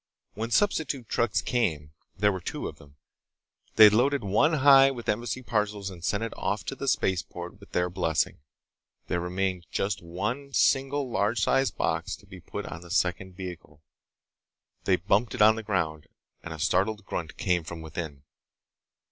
When substitute trucks came—there were two of them—they loaded one high with Embassy parcels and sent it off to the spaceport with their blessing. There remained just one, single, large sized box to be put on the second vehicle. They bumped it on the ground, and a startled grunt came from within.